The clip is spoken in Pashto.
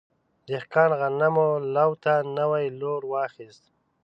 دهقان غنم لو ته نوی لور واخیست.